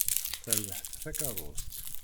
Terbeḥ-d takeṛṛust.